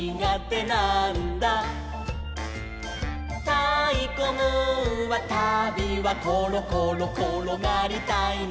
「たいこムーンはたびはころころころがりたいのさ」